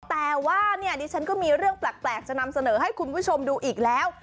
แต่ว่าดิฉันก็มีเรื่องแปลกไปให้คุณผู้ชมดูอีกแล้ว